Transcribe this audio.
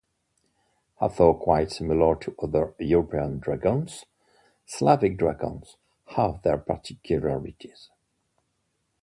Although quite similar to other European dragons, Slavic dragons have their peculiarities.